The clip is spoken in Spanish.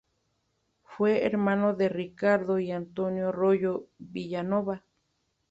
Fue hermano de Ricardo y Antonio Royo Villanova.